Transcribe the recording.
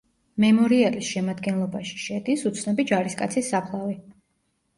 მემორიალის შემადგენლობაში შედის უცნობი ჯარისკაცის საფლავი.